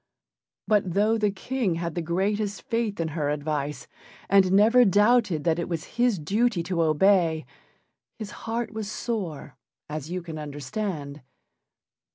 But though the King had the greatest faith in her advice, and never doubted that it was his duty to obey, his heart was sore, as you can understand.